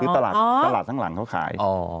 ตลาดทางหลังเขาขาย